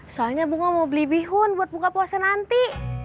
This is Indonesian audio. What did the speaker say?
soalnya bunga mau beli bihun buat buka puasa nanti